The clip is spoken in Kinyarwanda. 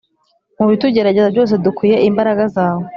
Mu bitugerageza byose Dukwiriye imbaraga zawe